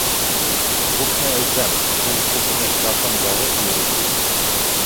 Күпме әйтәм шул кухня шкафын ябып йөрө тип!